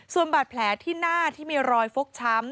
ส่วนบาดแผลที่หน้าที่มีรอยฟกช้ำ